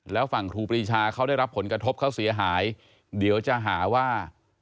แล้วฝั่งครูปรีชาเขาได้รับผลกระทบเขาเสียหายเดี๋ยวจะหาว่า